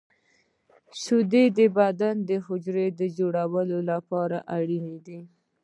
• شیدې د بدن د حجرو د جوړولو لپاره اړینې دي.